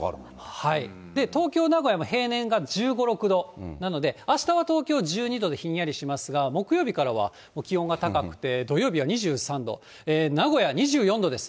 東京、名古屋も平年が１５、６度なので、あしたは東京１２度で、ひんやりしますが、木曜日からは気温が高くて、土曜日は２３度、名古屋２４度です。